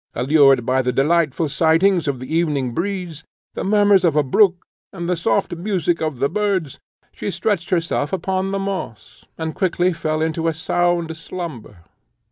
Allured by the delightful sighings of the evening breeze, the murmurs of a brook, and the soft music of the birds, she stretched herself upon the moss, and quickly fell into a sound slumber.